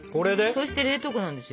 そして冷凍庫なんですよ。